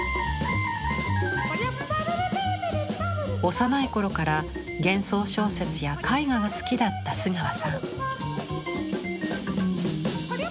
幼い頃から幻想小説や絵画が好きだった須川さん。